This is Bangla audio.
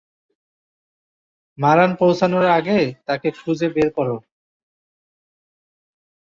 মারান পৌছানোর আগে তাকে খুঁজে বের করো।